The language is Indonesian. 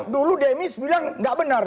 dulu demis bilang nggak benar